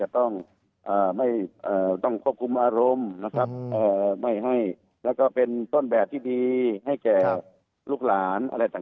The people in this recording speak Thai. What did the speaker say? ต้องควบคุมอารมณ์ไม่ให้เป็นต้นแบบที่ดีให้แก่ลูกหลาน